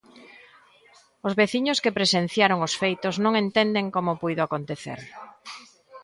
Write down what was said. Os veciños que presenciaron os feitos, non entenden como puido acontecer.